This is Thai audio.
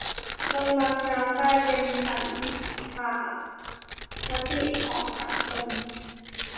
จนบางครั้งกลายเป็นฉันทามติของสังคม